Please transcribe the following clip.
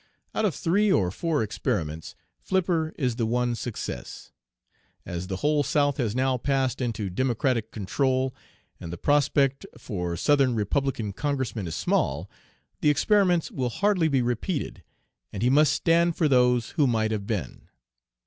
Out of three or four experiments Flipper is the one success. As the whole South has now passed into Democratic control, and the prospect for Southern Republican congressmen is small, the experiments will hardly be repeated, and he must stand for those that might have been.